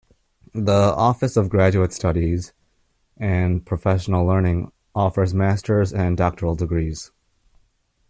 The Office of Graduate Studies and Professional Learning offers master’s and doctoral degrees.